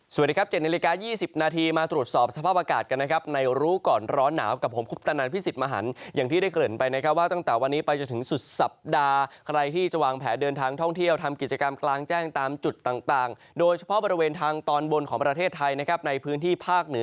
สวัสดีครับ๗นาฬิกา๒๐นาทีมาตรวจสอบสภาพอากาศกันนะครับในรู้ก่อนร้อนหนาวกับผมคุปตนันพิสิทธิ์มหันอย่างที่ได้เกริ่นไปนะครับว่าตั้งแต่วันนี้ไปจนถึงสุดสัปดาห์ใครที่จะวางแผนเดินทางท่องเที่ยวทำกิจกรรมกลางแจ้งตามจุดต่างโดยเฉพาะบริเวณทางตอนบนของประเทศไทยนะครับในพื้นที่ภาคเหนือ